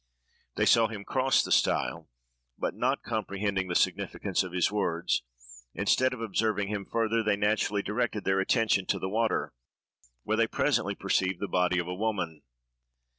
They saw him cross the stile, but, not comprehending the significance of his words, instead of observing him further, they naturally directed their attention to the water, where they presently perceived the body of a woman.